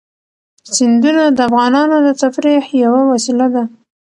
سیندونه د افغانانو د تفریح یوه وسیله ده.